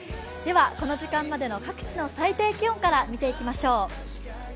では、この時間までの各地の最低気温から見ていきましょう。